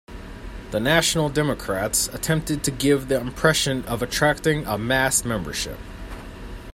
The National Democrats attempted to give the impression of attracting a mass membership.